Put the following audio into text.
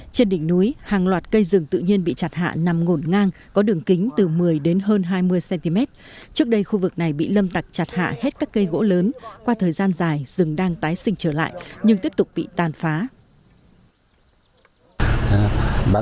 trên đỉnh núi hàng loạt cây rừng tự nhiên bị chặt hạ nằm ngổn ngang có đường kính từ một mươi đến hơn hai mươi cm trước đây khu vực này bị lâm tặc chặt hạ hết các cây gỗ lớn qua thời gian dài rừng đang tái sinh trở lại nhưng tiếp tục bị tàn phá